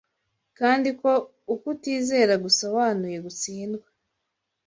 kandi ko ukutizera gusobanuye gutsindwa